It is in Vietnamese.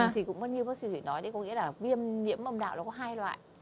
thì cũng như bác sĩ thủy nói đấy có nghĩa là viêm nhiễm âm đạo nó có hai loại